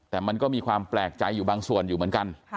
แต่มันก็มีความแปลกใจอยู่บางส่วนอยู่เหมือนกัน